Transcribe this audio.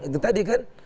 itu tadi kan